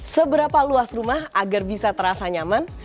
seberapa luas rumah agar bisa terasa nyaman